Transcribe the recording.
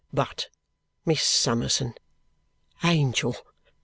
But, Miss Summerson! Angel!